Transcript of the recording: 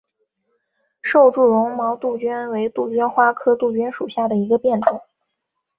瘦柱绒毛杜鹃为杜鹃花科杜鹃属下的一个变种。